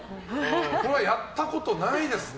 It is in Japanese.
これはやったことないですね。